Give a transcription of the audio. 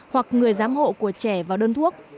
hoặc người giám hộ của trẻ vào đơn thuốc